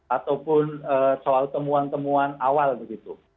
ataupun soal temuan temuan awal begitu